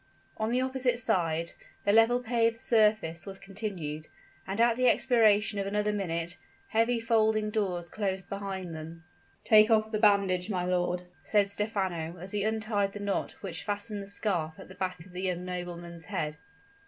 On the opposite side, the level paved surface was continued; and at the expiration of another minute, heavy folding doors closed behind them. "Take off the bandage, my lord," said Stephano, as he untied the knot which fastened the scarf at the back of the young nobleman's head.